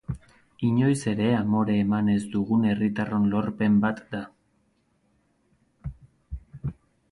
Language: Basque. Inoiz ere amore eman ez dugun herritarron lorpen bat da.